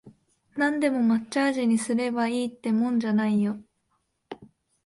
なんでも抹茶味にすればいいってもんじゃないよ